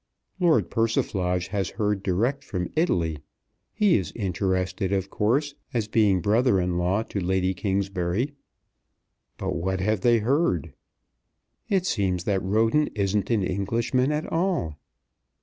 "Lord Persiflage has heard direct from Italy. He is interested, of course, as being brother in law to Lady Kingsbury." "But what have they heard?" "It seems that Roden isn't an Englishman at all."